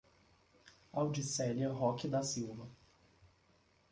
Audicelia Roque da Silva